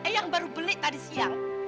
eh yang baru beli tadi siang